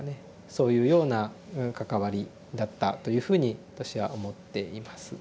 そういうような関わりだったというふうに私は思っています。